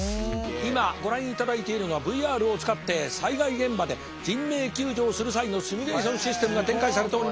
今ご覧いただいているのはＶＲを使って災害現場で人命救助をする際のシミュレーションシステムが展開されております。